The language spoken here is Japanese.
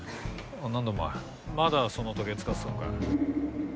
なんだお前まだその時計使ってたのかよ。